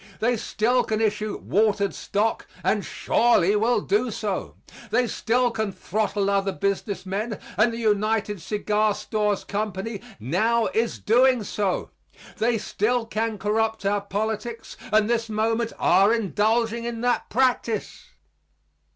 They still can issue watered stock and surely will do so. They still can throttle other business men and the United Cigar Stores Company now is doing so. They still can corrupt our politics and this moment are indulging in that practice.